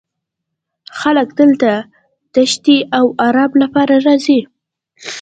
خلک دلته د تیښتې او ارام لپاره راځي